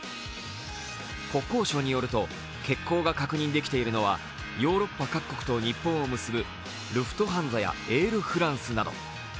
国交省によると、欠航が確認できているのはヨーロッパ各国と日本を結ぶルフトハンザやエールフランスなど。